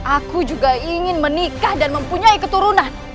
aku juga ingin menikah dan mempunyai keturunan